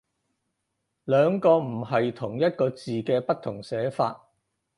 兩個唔係同一個字嘅不同寫法